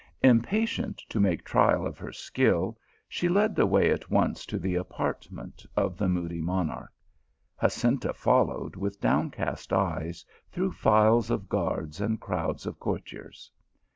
Impatient to make trial of her skill, she led the way at once to the apartment of the moody monarch. ) Jacinta followed with downcast eyes through files of guards and crowds of courtiers.